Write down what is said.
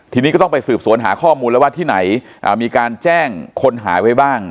ทีนี้ก็ต้องไปสืบสวนหาข้อมูลแล้วว่าที่ไหนมีการแจ้งคนหายไว้บ้าง